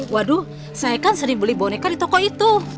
waduh saya kan sering beli boneka di toko itu